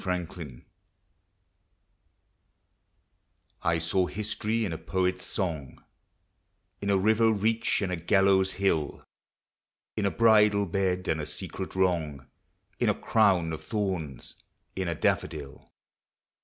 SYMBOLS I saw history in a poet's song, In a river reach and a gallows hill, In a bridal bed, and a secret wrong, In a crown of thorns: in a daffodil.